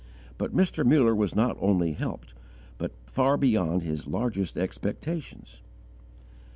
But Mr. Muller was not only helped, but far beyond his largest expectations.